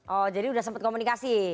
oh jadi sudah sempat komunikasi